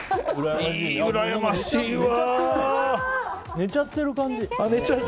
寝ちゃってる感じ。